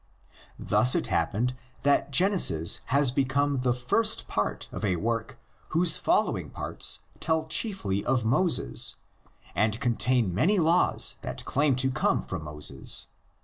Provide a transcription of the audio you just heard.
Thus it happened that Genesis has become the first part of a work whose following parts tell chiefly of Moses and contain many laws that claim to come from Moses.